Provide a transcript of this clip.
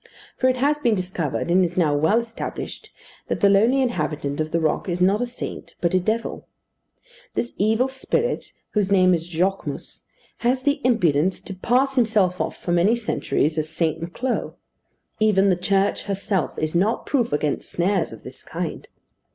For it has been discovered, and is now well established, that the lonely inhabitant of the rock is not a saint, but a devil. This evil spirit, whose name is Jochmus, had the impudence to pass himself off, for many centuries, as Saint Maclou. Even the Church herself is not proof against snares of this kind.